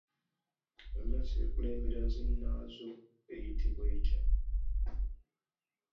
Emmese ekulembera zinnaazo eyitibwa etya?